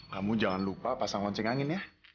namun jangan lupa pasang lonceng angin ya